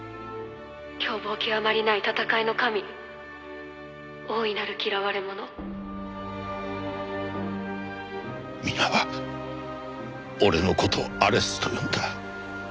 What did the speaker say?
「凶暴極まりない戦いの神」「大いなる嫌われ者」ミナは俺の事をアレスと呼んだ。